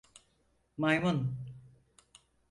Maymun!